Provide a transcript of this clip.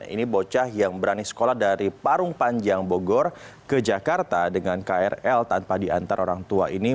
ini bocah yang berani sekolah dari parung panjang bogor ke jakarta dengan krl tanpa diantar orang tua ini